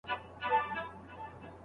زه د خپلي خبري پر ځای کوم.